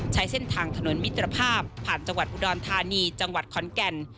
ใช้เส้นทางถนนมิตรภาพผ่านจังหวัดอุดรธานีจังหวัดขอนแก่น